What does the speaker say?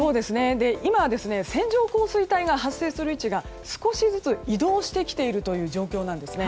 今、線状降水帯が発生する位置が少しずつ移動してきているという状況なんですね。